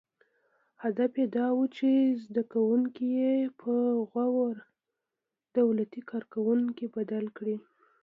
• هدف یې دا و، چې زدهکوونکي یې په غوره دولتي کارکوونکو بدل کړي.